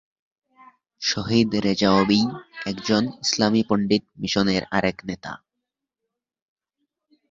শহীদ Reza OBE, একজন ইসলামী পণ্ডিত মিশনের আরেক নেতা।